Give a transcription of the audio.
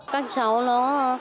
các cháu nó